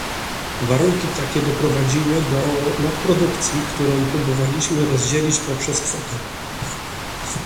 Warunki takie doprowadziły do nadprodukcji, którą próbowaliśmy rozdzielić poprzez kwoty